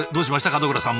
門倉さん